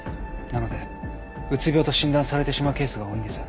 なのでうつ病と診断されてしまうケースが多いんです。